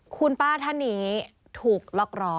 คุณป้าท่านนี้ถูกล็อกล้อ